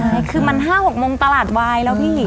นี่คือมัน๕๖โมงตลาดวายแล้วพี่